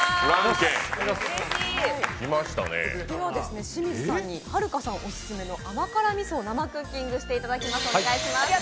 では志水さんにはるかさんオススメの甘辛ｍｉｓｏを生クッキングしていただきます、お願いします。